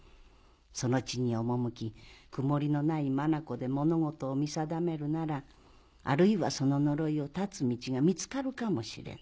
その地におもむき曇りのない眼で物事を見定めるならあるいはその呪いを断つ道が見つかるかもしれぬ。